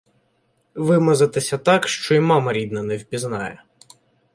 Вимазатися так, що й мама рідна не впізнає